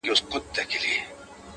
پاس د وني په ښاخونو کي یو مار وو!.